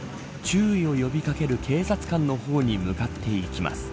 注意を呼び掛ける警察官の方に向かっていきます。